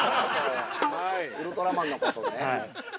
◆ウルトラマンのことね。